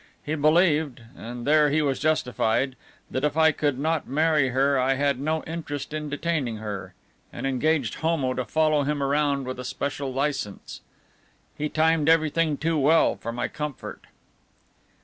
He believed and there he was justified that if I could not marry her I had no interest in detaining her, and engaged Homo to follow him around with a special licence. He timed everything too well for my comfort."